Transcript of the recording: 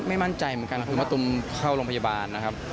ผมไม่มั่นใจเหมือนกันเพราะพี่หนึ่งมาทุมเข้าโรงพยาบาลนะครับ